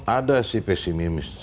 ada sih pesimis